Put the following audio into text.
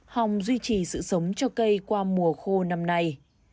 hồng duy trì sự sống cho cây qua mùa khô năm nay